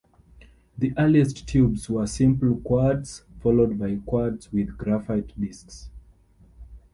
The earliest tubes were simple quartz, followed by quartz with graphite disks.